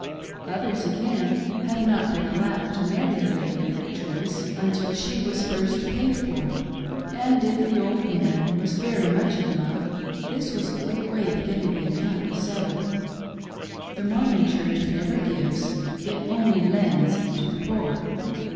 , Others, again, have not been allowed to marry the lady of their choice until she was first paid for, and if the old man was very much in love, this was a quick way of getting the account settled. The Mormqn Church never gives, it only lends to the poor.